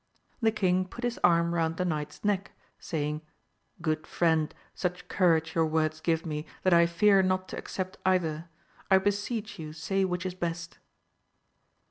The king put his arm round the knight's neck saying. Good friend, such courage your words give me that I fear not to accept either, I beseech you say which is best.